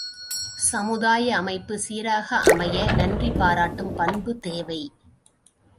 சமுதாய அமைப்பு சீராக அமைய நன்றி பாராட்டும் பண்பு தேவை.